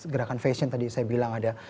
gerakan fashion tadi saya bilang ada